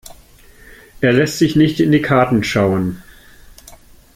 Er lässt sich nicht in die Karten schauen.